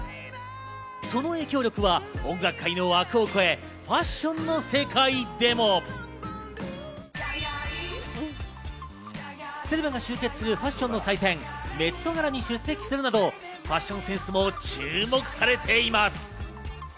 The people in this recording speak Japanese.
その影響力は音楽界の枠を越え、ファッションの世界でもセレブが集結するファッションの祭典、ＭＥＴガラに出席するなどファッションセンスも注目されています。